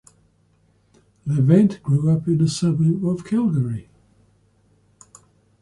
Levant grew up in a suburb of Calgary.